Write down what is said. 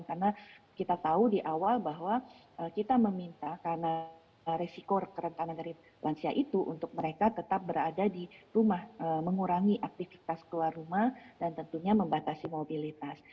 karena kita tahu diawal bahwa kita memintakan resiko keren keren dari lansia itu untuk mereka tetap berada di rumah mengurangi aktivitas keluar rumah dan tentunya membatasi mobilitas